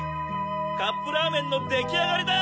カップラーメンのできあがりだ！